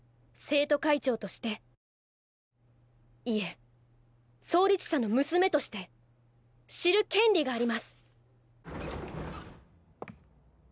生徒会長としていえ創立者の娘として知る権利があります。